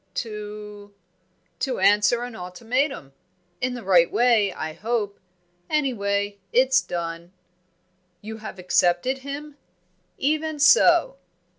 "To answer an ultimatum. In the right way, I hope; any way, it's done." "You have accepted him?" "Even so."